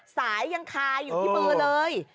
ยังคาอยู่ที่มือเลย